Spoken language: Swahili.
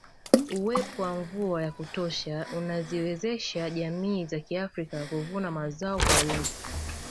Uwepo wa mvua ya kutosha unaziwezesha jamii za kiafrika kuvuna mazao kwa wingi